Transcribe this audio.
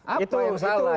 apa yang salah